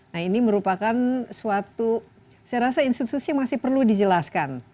nah ini merupakan suatu saya rasa institusi yang masih perlu dijelaskan